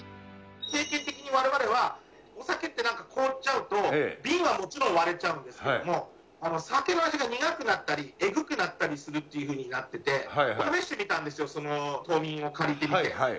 経験的にわれわれは、お酒ってなんか凍っちゃうと、瓶はもちろん割れちゃうんですけども、酒の味が苦くなったり、えぐくなったりするっていうふうになってて、試してみたんですよ、借りてみて。